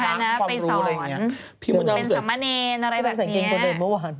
ไปสร้างความรู้อะไรอย่างนี้เป็นสามะเนนอะไรแบบนี้พี่มดามเสือกเกงตัวเนินเมื่อวาน